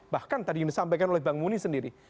bahkan tadi yang disampaikan oleh bang muni sendiri